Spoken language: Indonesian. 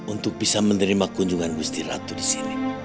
untuk bisa menerima kunjungan gusti ratu disini